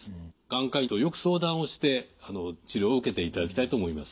眼科医とよく相談をして治療を受けていただきたいと思います。